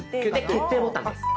決定ボタンです。